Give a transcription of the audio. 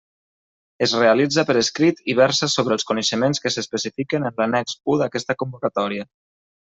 Es realitza per escrit i versa sobre els coneixements que s'especifiquen en l'annex u d'aquesta convocatòria.